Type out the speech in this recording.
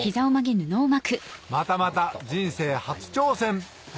またまた人生初挑戦！